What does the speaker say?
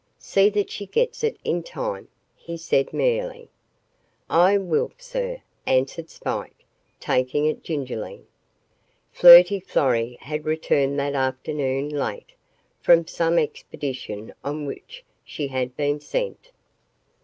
"See that she gets it in time," he said merely. "I will, sir," answered Spike, taking it gingerly. Flirty Florrie had returned that afternoon, late, from some expedition on which she had been sent.